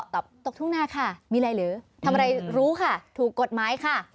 ตกตกทุ่งนาค่ะมีอะไรหรือทำอะไรรู้ค่ะถูกกฎหมายค่ะ